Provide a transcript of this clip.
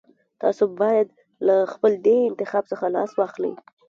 تاسو بايد له خپل دې انتخاب څخه لاس واخلئ.